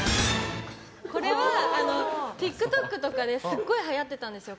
これはＴｉｋＴｏｋとかですごいはやってたんですよ